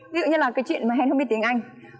ví dụ như là cái chuyện mà hèn không đi tiếng anh